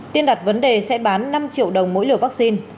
tiên đặt vấn đề sẽ bán năm triệu đồng mỗi liều vaccine